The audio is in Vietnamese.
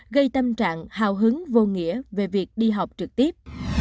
gây tâm trạng hào hứng vô nghĩa về việc đi học trực tiếp